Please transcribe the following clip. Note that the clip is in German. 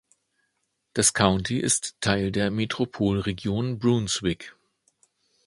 Das County ist Teil der Metropolregion Brunswick.